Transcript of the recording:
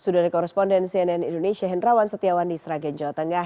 sudah dikoresponden cnn indonesia henrawan setiawan di sragen jawa tengah